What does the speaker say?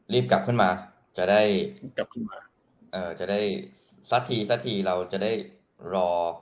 รีบกลับขึ้นมาจะได้สักทีเราจะได้รอ